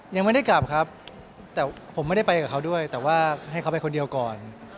ยังไม่ได้กลับครับแต่ผมไม่ได้ไปกับเขาด้วยแต่ว่าให้เขาไปคนเดียวก่อน